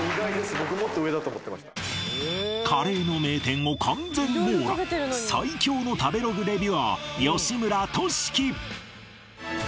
僕もっと上だと思ってましたカレーの名店を完全網羅最強の食べログレビュアー